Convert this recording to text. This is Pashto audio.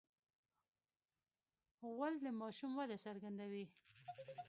غول د ماشوم وده څرګندوي.